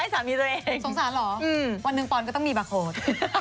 สงสารเหรอวันนึงปอนต์ก็ต้องมีบักโทษ